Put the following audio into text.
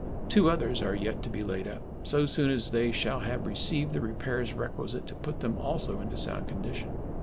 Two others are yet to be laid up so soon as they shall have received the repairs requisite to put them also into sound condition.